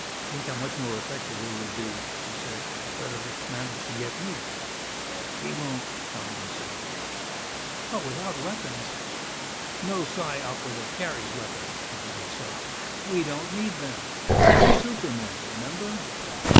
"Think how much more effective it would be," he said, "if Fredericks managed to get me." "He won't," Donegan said. "But without weapons " "No Psi Operative carries weapons," Donegan said. "We don't need them. We're supermen ... remember?"